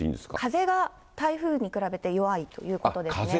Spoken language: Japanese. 風が台風に比べて弱いということですね。